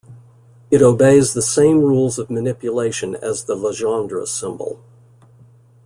It obeys the same rules of manipulation as the Legendre symbol.